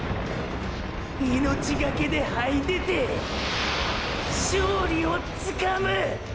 命がけで這い出て勝利をつかむ！！